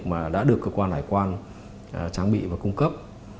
mà đã được cơ quan hải quan trang bị và cung cấp